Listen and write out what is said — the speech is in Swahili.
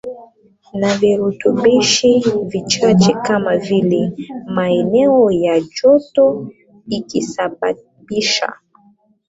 na virutubishi vichache kama vile maeneo ya joto ikisababisha